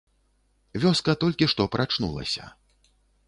Вёска толькі што прачнулася.